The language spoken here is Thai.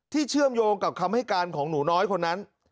เชื่อมโยงกับคำให้การของหนูน้อยคนนั้น